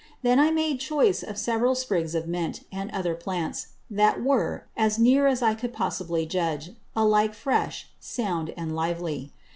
Then I made choice of several Sprigs of Mint, and other Plants, that were, as near as I could possibly judge, alike fresh, sound, and lively.